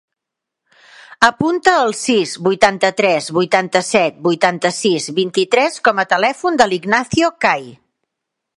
Apunta el sis, vuitanta-tres, vuitanta-set, vuitanta-sis, vint-i-tres com a telèfon de l'Ignacio Cai.